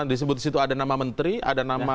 disebut situ ada nama menteri ada nama